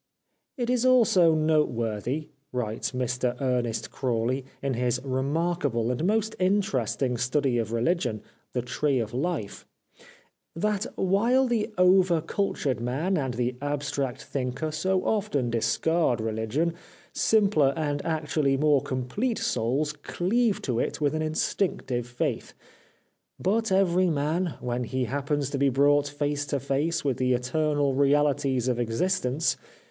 "It is also noteworthy," writes Mr Ernest Crawley, in his remarkable and most interesting 372 The Life of Oscar Wilde study of religion, " The Tree of Life," " that, while the over cultured man and the abstract thinker so often discard religion, simpler and actually more complete souls cleave to it with an instinctive faith. But every man, when he happens to be brought face to face with the eternal realities of existence.